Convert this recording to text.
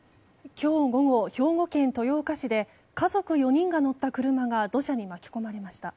今日午後、兵庫県豊岡市で家族４人が乗った車が土砂に巻き込まれました。